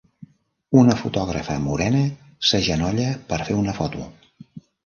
Una fotògrafa morena s'agenolla per fer una foto.